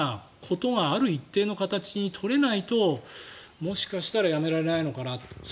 ことがある一定の形に取れないともしかしたらやめられないのかなと。